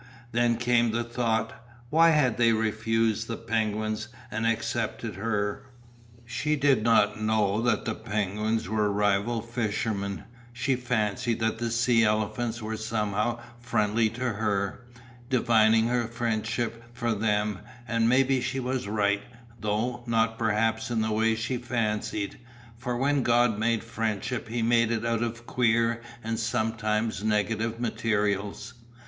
Then came the thought: why had they refused the penguins and accepted her? She did not know that the penguins were rival fishermen, she fancied that the sea elephants were somehow friendly to her, divining her friendship for them, and maybe she was right, though not perhaps in the way she fancied, for when God made friendship He made it out of queer and sometimes negative materials.